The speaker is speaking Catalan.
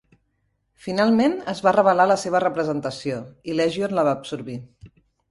Finalment, es va revelar la seva representació i Legion la va absorbir.